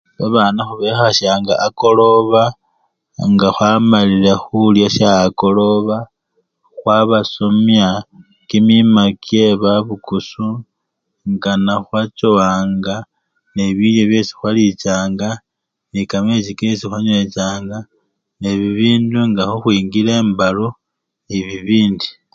Babana khubekhashanga akoloba nga khwamalile khulya sha akoloba khwabasomya kimima kyebabukusu nga nekhwachowanga nebilyo byesi khwalichanga nekamechi kesi khwanywechanga nebibindu nga khukhwingila embalu nebibindi.